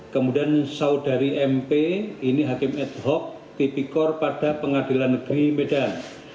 kemudian saudari mp ini hakim ad hoc tipikor pada pengadilan negeri medan